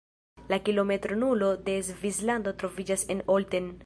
La “kilometro nulo” de Svislando troviĝas en Olten.